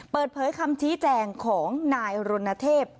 เปิดเผยคำชี้แจงของนายรณเทพ